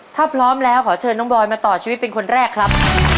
ถ้าพร้อมแล้วขอเชิญน้องบอยมาต่อชีวิตเป็นคนแรกครับ